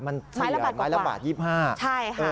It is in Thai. มันเสียอะไม้ละบาท๒๕กว่าใช่ค่า